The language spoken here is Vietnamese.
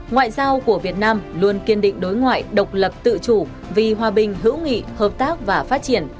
ngoại giao của việt nam luôn kiên định đối ngoại độc lập tự chủ vì hòa bình hữu nghị hợp tác và phát triển